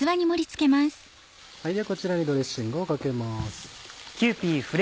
ではこちらにドレッシングをかけます。